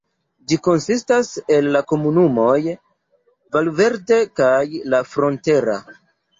Ĝi konsistas el la komunumoj Valverde kaj "La Frontera".